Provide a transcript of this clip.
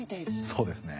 そうですね。